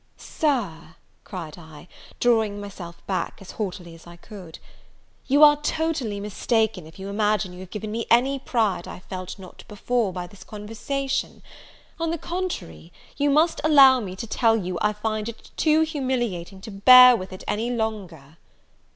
"Sir, "cried I, drawing myself back as haughtily as I could, "you are totally mistaken, if you imagine you have given me any pride I felt not before, by this conversation; on the contrary, you must allow me to tell you, I find it too humiliating to bear with it any longer."